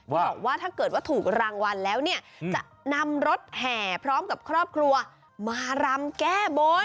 บอกว่าถ้าเกิดว่าถูกรางวัลแล้วเนี่ยจะนำรถแห่พร้อมกับครอบครัวมารำแก้บน